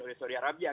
dari saudi arabia